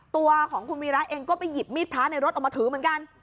ตัวของคุณวีระเองก็ไปหยิบมีดพระในรถออกมาถือเหมือนกัน